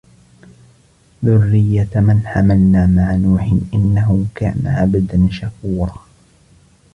ذُرِّيَّةَ مَنْ حَمَلْنَا مَعَ نُوحٍ إِنَّهُ كَانَ عَبْدًا شَكُورًا